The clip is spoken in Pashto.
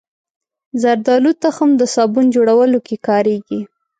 زردالو تخم د صابون جوړولو کې کارېږي.